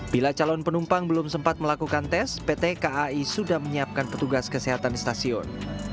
bila calon penumpang belum sempat melakukan tes pt kai sudah menyiapkan petugas kesehatan di stasiun